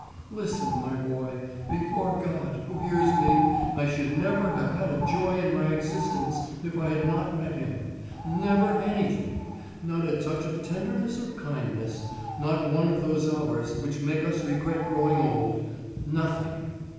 Listen, my boy, before God, who hears me, I should never have had a joy in my existence if I had not met him; never anything—not a touch of tenderness or kindness, not one of those hours which make us regret growing old—nothing.